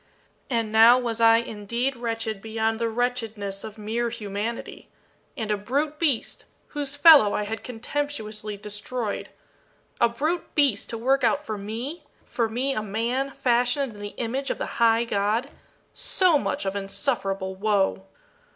And now was I indeed wretched beyond the wretchedness of mere humanity. And a brute beast whose fellow I had contemptuously destroyed a brute beast to work out for me for me a man, fashioned in the image of the High God so much of insufferable woe!